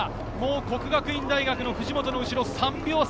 國學院大學の藤本の後ろ、３秒差。